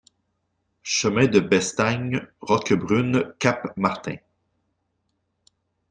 Chemin de Bestagne, Roquebrune-Cap-Martin